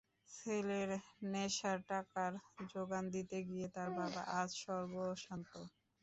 ছেলের নেশার টাকার জোগান দিতে গিয়ে তাঁর বাবা আজ সর্বস্বান্ত।